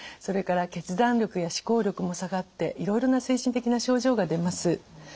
それから決断力や思考力も下がっていろいろな精神的な症状が出ます。